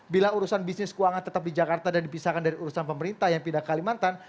bila urusan bisnis keuangan tetap di jakarta dan dipisahkan dari urusan pemerintah yang pindah ke kalimantan